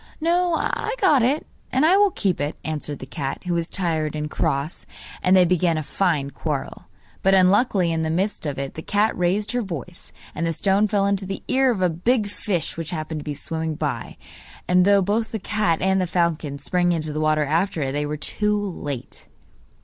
'No, I got it, and I will keep it,' answered the cat, who was tired and cross; and they began a fine quarrel. But, unluckily, in the midst of it, the cat raised her voice, and the stone fell into the ear of a big fish which happened to be swimming by, and though both the cat and the falcon sprang into the water after it, they were too late.